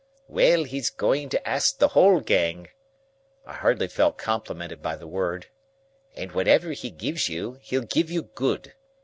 "Well, he's going to ask the whole gang,"—I hardly felt complimented by the word,—"and whatever he gives you, he'll give you good.